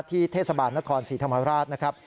ที่เทศบาลนครสิริธรรมราชนะครับ